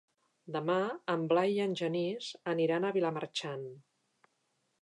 Demà en Blai i en Genís aniran a Vilamarxant.